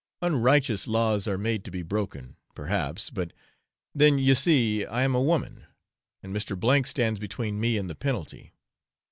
Unrighteous laws are made to be broken, perhaps, but then, you see, I am a woman, and Mr. stands between me and the penalty.